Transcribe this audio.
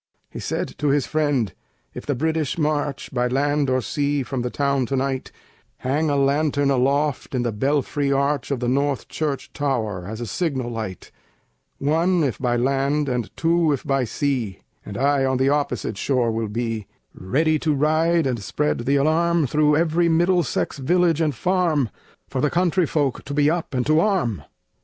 He said to his friend: "If the British march By land or sea from the town tonight, Hang a lantern aloft in the belfry arch Of the North Church tower, as a signal light, One if by land, and two if by sea; And I on the opposite shore will be, Ready to ride and spread the alarm Through every Middlesex village and farm, For the country folk to be up and to arm."